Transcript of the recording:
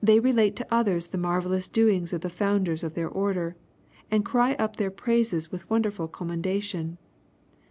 They relate to others the marvellous doings of the founders of their order, and cry up their praises with wonderful commendation.